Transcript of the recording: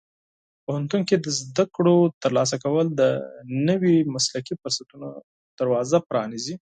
پوهنتون کې د زده کړو ترلاسه کول د نوي مسلکي فرصتونو دروازه پرانیزي.